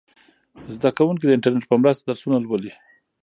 زده کوونکي د انټرنیټ په مرسته درسونه لولي.